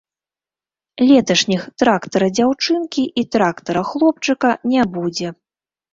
Леташніх трактара-дзяўчынкі і трактара-хлопчыка не будзе.